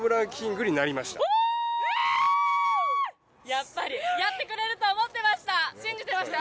やってくれると思ってました。